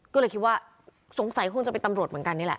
ก็เลยคิดว่าสงสัยคงจะเป็นตำรวจเหมือนกันนี่แหละ